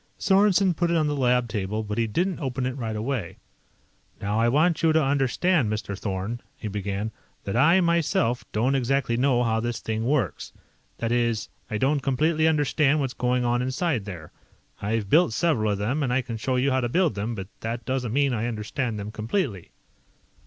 Sorensen put it on the lab table, but he didn't open it right away. "Now I want you to understand, Mr. Thorn," he began, "that I, myself, don't exactly know how this thing works. That is, I don't completely understand what's going on inside there. I've built several of them, and I can show you how to build them, but that doesn't mean I understand them completely."